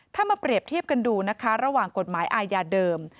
ถ้ามาเปรียบเทียบกันดูนะคะระหว่างกฎหมายอาญาเดิม